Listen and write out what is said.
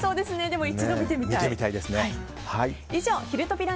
でも一度見てみたい。